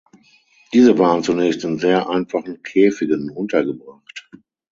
Diese waren zunächst in sehr einfachen Käfigen untergebracht.